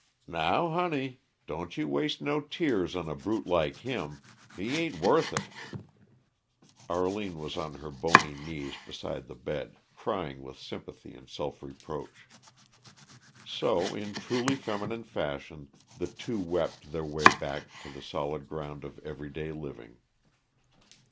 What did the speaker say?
"Now, honey, don't you waste no tears on a brute like him he ain't w worth it!" Arline was on her bony knees beside the bed, crying with sympathy and self reproach. So, in truly feminine fashion, the two wept their way back to the solid ground of everyday living.